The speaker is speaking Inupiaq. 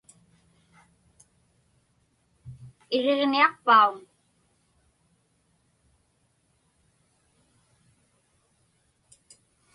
Iriġniaqpauŋ?